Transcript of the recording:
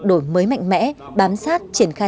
đổi mới mạnh mẽ bám sát triển khai